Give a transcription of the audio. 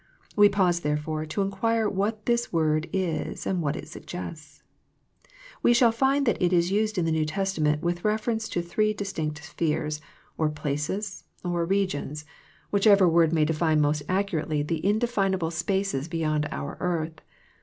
We pause therefore to inquire what this word is and what it suggests. We shall find that it is used in the New Testament with reference to three distinct spheres, or places, or regions, which THE PLANE OF PEAYEE 71 ever word may define most accurately the inde finable spaces beyond our earth.